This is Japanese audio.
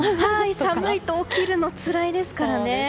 寒いと起きるの、つらいですからね。